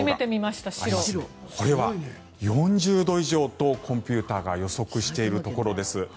これは４０度以上とコンピューターが予測しているところです。